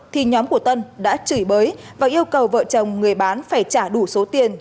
thì nhóm của tân đã chửi bới và yêu cầu vợ chồng người bán phải trả đủ số tiền